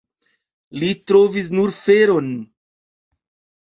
Li trovis nur feron.